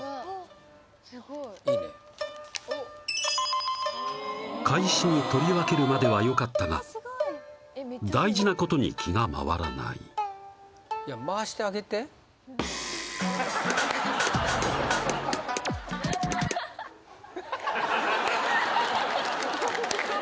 すごいいいね懐紙に取り分けるまではよかったが大事なことに気が回らないいや回してあげてはははっ